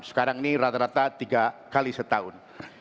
sekarang ini rata rata tiga kali setahun